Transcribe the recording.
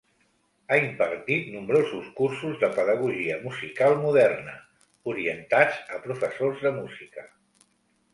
Ha impartit nombrosos cursos de Pedagogia Musical Moderna, orientats a professors de música.